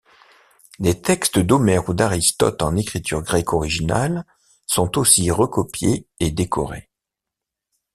Des textes d'Homère ou d'Aristote en écriture grecque originale sont aussi recopiés et décorés.